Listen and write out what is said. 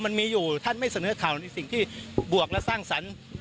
มันมีอยู่ท่านไม่เสนอข่าวในสิ่งที่บวกและสร้างสรรค์